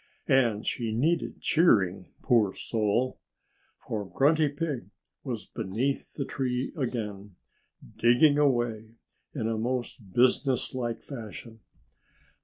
And she needed cheering, poor soul! For Grunty Pig was beneath the tree again, digging away in a most businesslike fashion.